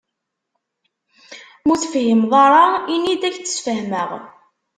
Ma ur t-tefhimeḍ ara ini-d ad ak-d-sfehmeɣ.